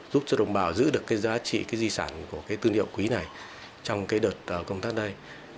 giúp cho đồng bào giữ được giá trị di sản của tư liệu quý này trong đợt công tác đây